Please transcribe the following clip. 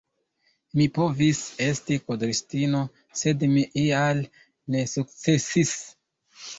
Mi provis esti kudristino, sed mi ial ne sukcesis!